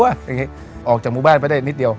อย่างนี้ออกจากหมู่บ้านไปได้นิดเดียว